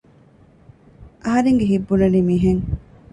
އަހަރެންގެ ހިތް ބުނަނީ މިހެން